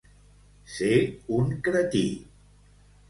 Ser un cretí.